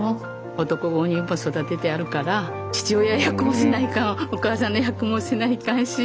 男５人をやっぱり育ててあるから父親役もせないかんわお母さんの役もせないかんし。